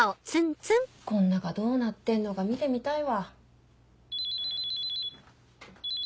この中どうなってんのか見てみたいわ。